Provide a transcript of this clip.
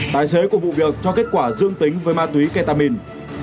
tài xế của vụ việc cho kết quả dương tính với ma túy ketamin